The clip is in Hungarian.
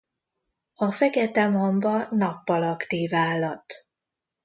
A fekete mamba nappal aktív állat.